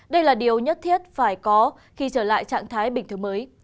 đây là điều nhất thiết phải có khi trở lại trạng thái bình thường mới